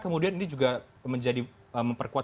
kemudian ini juga menjadi memperkuat